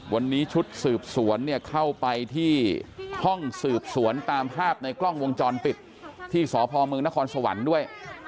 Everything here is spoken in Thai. วันนี้ชุดสืบสวนเนี่ยเข้าไปที่ห้องสืบสวนตามภาพในกล้องวงจรปิดที่สพเมืองนครสวรรค์ด้วย